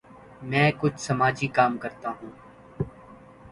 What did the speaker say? میں کچھ سماجی کام کرتا ہوں۔